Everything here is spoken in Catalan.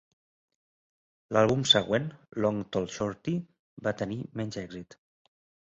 L'àlbum següent, Long Tall Shorty, va tenir menys èxit.